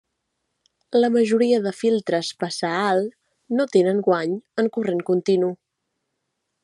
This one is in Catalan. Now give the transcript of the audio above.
La majoria de filtres passaalt no tenen guany en corrent continu.